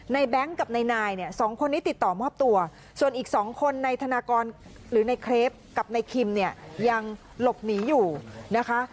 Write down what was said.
แบงค์กับนายเนี่ยสองคนนี้ติดต่อมอบตัวส่วนอีก๒คนในธนากรหรือในเครปกับนายคิมเนี่ยยังหลบหนีอยู่นะคะ